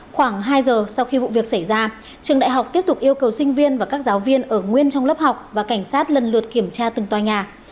khoảng hai giờ sau khi vụ việc xảy ra trường đại học tiếp tục yêu cầu sinh viên và các giáo viên ở nguyên trong lớp học và cảnh sát lần lượt kiểm tra từng tòa nhà